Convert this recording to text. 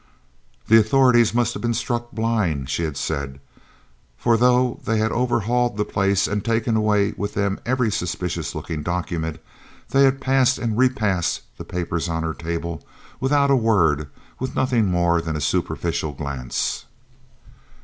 The authorities must have been "struck blind," she had said, for though they had overhauled the place and had taken away with them every suspicious looking document, they had passed and repassed the papers on her table without a word and with nothing more than a superficial glance.